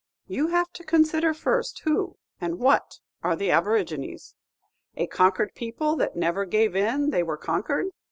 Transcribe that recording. You have to consider, first, who and what are the aborigines. A conquered people that never gave in they were conquered.